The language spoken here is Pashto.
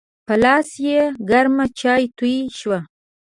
په لاس یې ګرم چای توی شو.